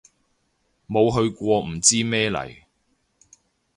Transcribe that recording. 冇去過唔知咩嚟